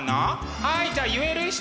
はいじゃあ言える人！